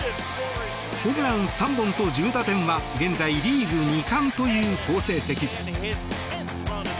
ホームラン３本と１０打点は現在リーグ２冠という好成績。